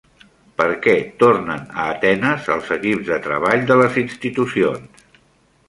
Per què tornen a Atenes els equips de treball de les institucions?